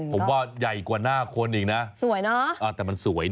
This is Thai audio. ผมว่าใหญ่กว่าหน้าคนอีกนะสวยเนอะแต่มันสวยนะ